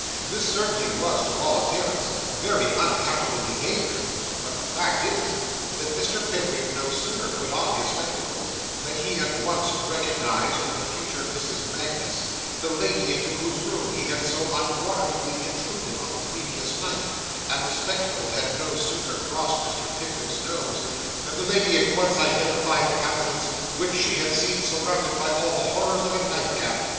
This certainly was, to all appearance, very unaccountable behaviour; but the fact is, that Mr. Pickwick no sooner put on his spectacles, than he at once recognised in the future Mrs. Magnus the lady into whose room he had so unwarrantably intruded on the previous night; and the spectacles had no sooner crossed Mr. Pickwick's nose, than the lady at once identified the countenance which she had seen surrounded by all the horrors of a nightcap.